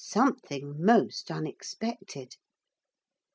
Something most unexpected.